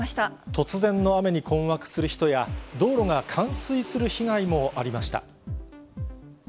突然の雨に困惑する人や、道路が冠水する被害もありました。